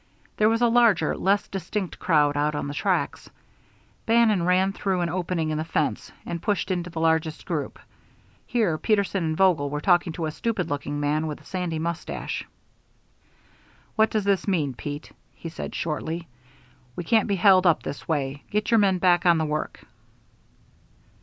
There was a larger, less distinct crowd out on the tracks. Bannon ran through an opening in the fence, and pushed into the largest group. Here Peterson and Vogel were talking to a stupid looking man with a sandy mustache. "What does this mean, Pete?" he said shortly. "We can't be held up this way. Get your men back on the work."